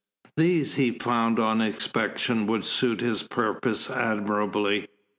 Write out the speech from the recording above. These he found on inspection would suit his purpose admirably.